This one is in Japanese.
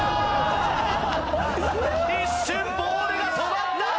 一瞬ボールが止まった！